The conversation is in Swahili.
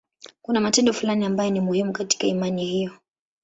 Kuna matendo fulani ambayo ni muhimu katika imani hiyo.